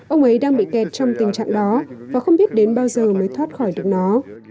ông ấy đang bị kẹt trong tình trạng đó và không biết đến bao giờ mới thoát khỏi được nó